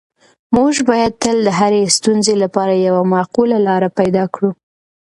موږ باید تل د هرې ستونزې لپاره یوه معقوله لاره پیدا کړو.